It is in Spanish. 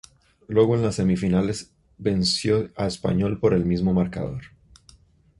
Luego en las semifinales venció a Español por el mismo marcador.